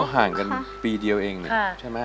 เพราะห่างกันปีเดียวเองเนี่ยใช่ไหม